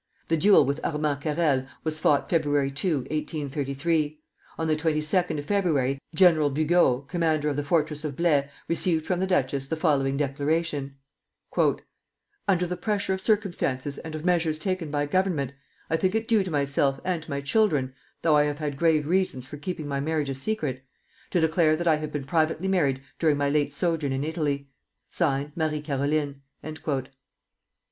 The duel with Armand Carrel was fought Feb. 2, 1833; on the 22d of February General Bugeaud, commander of the fortress of Blaye, received from the duchess the following declaration: Under the pressure of circumstances and of measures taken by Government, I think it due to myself and to my children (though I have had grave reasons for keeping my marriage a secret) to declare that I have been privately married during my late sojourn in Italy. (Signed) MARIE CAROLINE.